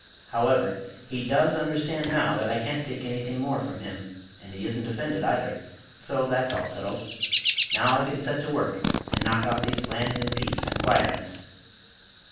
However, he does understand now that I can't take anything more from him, and he isn't offended either, so that's all settled. Now I can set to work and knock off these plans in peace and quietness."